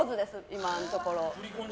今のところ。